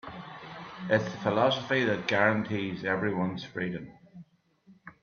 It's the philosophy that guarantees everyone's freedom.